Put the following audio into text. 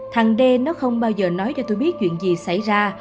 thằng đê nó không bao giờ nói cho tôi biết chuyện gì xảy ra